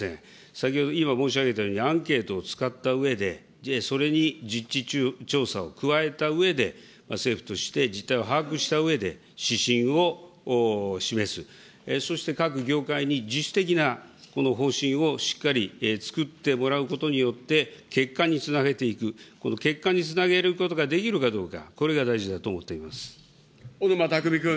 先ほど、今申し上げたように、アンケートを使ったうえで、それに実地調査を加えたうえで、政府として実態を把握したうえで、指針を示す、そして各業界に自主的な方針をしっかり作ってもらうことによって、結果につなげていく、この結果につなげることができるかどうか、小沼巧君。